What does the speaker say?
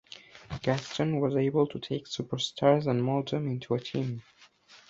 Gaston was able to take superstars and mold them into a team.